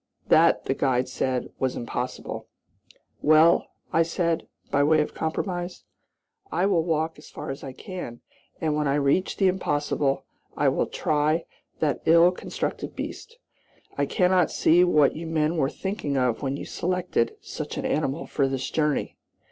That, the guide said, was impossible. "Well," said I, by way of compromise, "I will walk as far as I can, and when I reach the impossible, I will try that ill constructed beast. I cannot see what you men were thinking of when you selected such an animal for this journey."